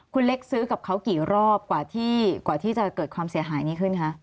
คุณเล็กซื้อกับเขากี่รอบกว่าที่จะเกิดความเสียหายนี้ขึ้นคะ